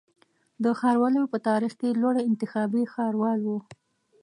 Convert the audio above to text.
د ښاروالیو په تاریخ کي لوړی انتخابي ښاروال و